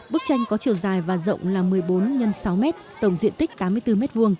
bức tranh có chiều dài và rộng là một mươi bốn x sáu m tổng diện tích tám mươi bốn m hai